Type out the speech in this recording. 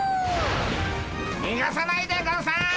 にがさないでゴンス！